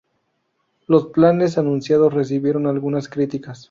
Los planes anunciados recibieron algunas críticas.